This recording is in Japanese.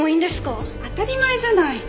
当たり前じゃない！